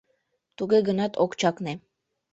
Туге гынат ок чакне.